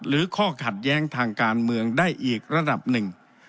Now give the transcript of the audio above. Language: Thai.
ข้อขัดแย้งทางการเมืองได้อีกระดับหนึ่ง